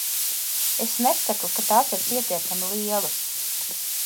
Es nesaku, ka tās ir pietiekami lielas.